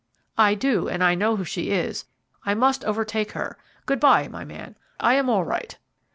"I do, and I know who she is. I must overtake her. Good bye, my man, I am all right."